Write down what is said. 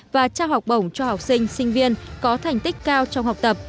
và trao học bổng cho học sinh sinh viên có thành tích cao trong học tập